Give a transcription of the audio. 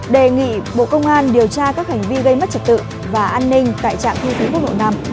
đề nghị bộ công an điều tra các hành vi gây mất trật tự và an ninh tại trạm thu phí quốc lộ năm